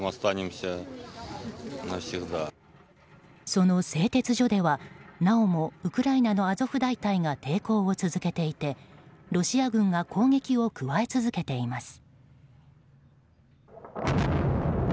その製鉄所ではなおもウクライナのアゾフ大隊が抵抗を続けていて、ロシア軍が攻撃を加え続けています。